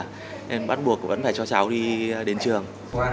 nên bắt buộc vẫn phải cho cháu đi đến trường